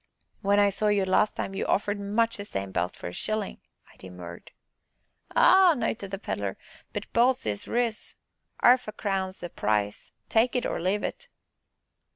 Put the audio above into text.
"When I saw you last time, you offered much the same belt for a shilling," I demurred. "Ah!" nodded the Pedler, "but belts is riz 'arf a crown's the price take it or leave it."